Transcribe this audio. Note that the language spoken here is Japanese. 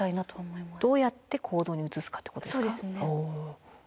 どうやって行動に移すかってことですか？